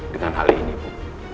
dengan hal ini bu